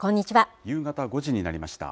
夕方５時になりました。